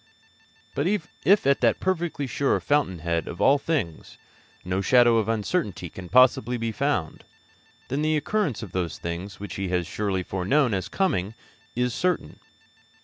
But if at that perfectly sure Fountain head of all things no shadow of uncertainty can possibly be found, then the occurrence of those things which He has surely foreknown as coming is certain.